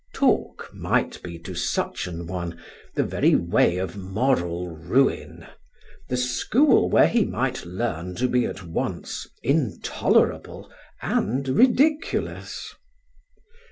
Talk might be to such an one the very way of moral ruin; the school where he might learn to be at once intolerable and ridiculous.